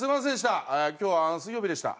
「今日は『水曜日』でした。